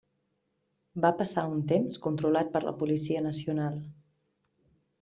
Va passar un temps controlat per la Policia Nacional.